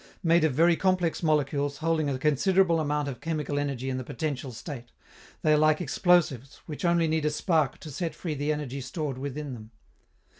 Made of very complex molecules holding a considerable amount of chemical energy in the potential state, they are like explosives which only need a spark to set free the energy stored within them.